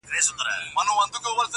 • انسان بايد ځان وپېژني تل..